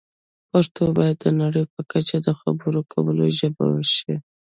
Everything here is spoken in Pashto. پښتو باید د نړۍ په کچه د خبرو کولو ژبه شي.